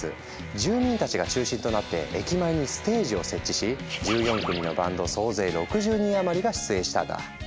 住民たちが中心となって駅前にステージを設置し１４組のバンド総勢６０人余りが出演したんだ。